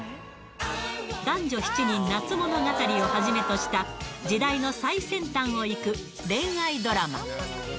男女７人夏物語をはじめとした、時代の最先端を行く恋愛ドラマ。